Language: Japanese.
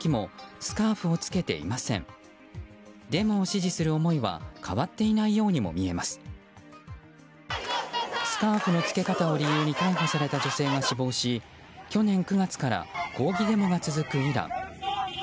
スカーフの着け方を理由に逮捕された女性が死亡し去年９月から抗議デモが続くイラン。